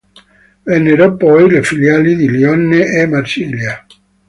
Vennero poi le filiali di Lione e Marsiglia.